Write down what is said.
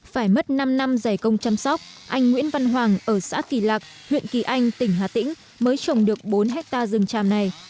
phải mất năm năm giải công chăm sóc anh nguyễn văn hoàng ở xã kỳ lạc huyện kỳ anh tỉnh hà tĩnh mới trồng được bốn hectare rừng tràm này